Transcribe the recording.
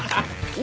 お！